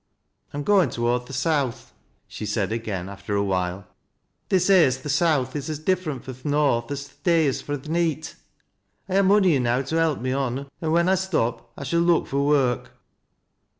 I'm goin' toward th' south," she said again after a while. ". They say as th' south is as differ eiit fio' th' north as th' day is fro' the neet. I ha' money enow tc help me on an when I stop I shaL look fui trnrk."